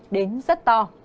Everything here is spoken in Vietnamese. đến rất to